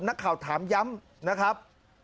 นักข่าวถามย้ำนะครับ